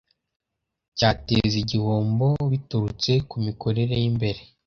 cyateza igihombo biturutse ku mikorere y imbere